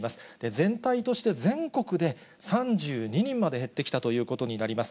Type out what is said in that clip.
全体として全国で３２人まで減ってきたということになります。